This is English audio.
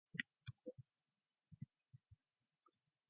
The Bulgarians have denied any connection with Zikolov.